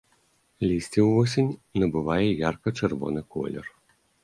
Лісце ўвосень набывае ярка-чырвоны колер.